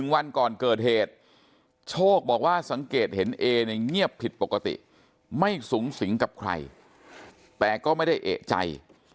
วันก่อนเกิดเหตุโชคบอกว่าสังเกตเห็นเอเนี่ยเงียบผิดปกติไม่สูงสิงกับใครแต่ก็ไม่ได้เอกใจ